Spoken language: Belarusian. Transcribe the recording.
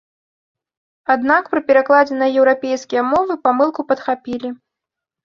Аднак пры перакладзе на еўрапейскія мовы памылку падхапілі.